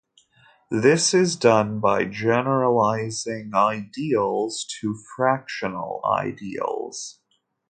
This is done by generalizing ideals to fractional ideals.